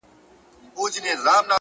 فريادي له كندهاره دى لوېدلى.!